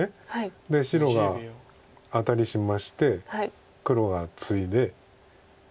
で白がアタリしまして黒がツイで。